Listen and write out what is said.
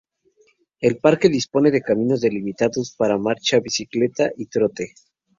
El parque dispone de caminos delimitados para marcha, bicicleta y trote.